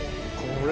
これ。